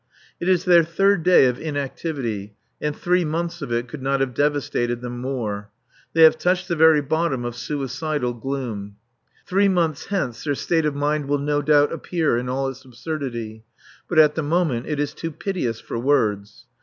It is their third day of inactivity, and three months of it could not have devastated them more. They have touched the very bottom of suicidal gloom. Three months hence their state of mind will no doubt appear in all its absurdity, but at the moment it is too piteous for words.